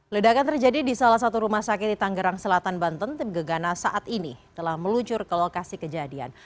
ledakan terjadi di salah satu rumah sakit di tanggerang selatan banten tim gegana saat ini telah meluncur ke lokasi kejadian